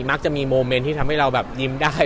มักจะมีโมเมนต์ที่ทำให้เราแบบยิ้มได้